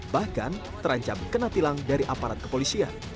bahkan terancam kena tilang dari aparat kepolisian